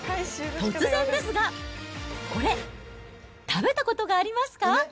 突然ですが、これ、食べたことがありますか？